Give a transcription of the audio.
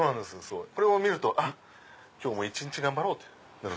これを見ると今日も一日頑張ろう！となる。